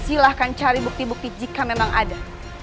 silahkan cari bukti bukti jika memang ada